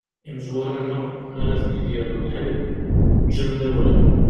Imezwura-nneɣ mara ten-id-yerr lḥiḍ, ǧǧan-d awal.